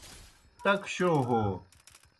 ٹک شو ہو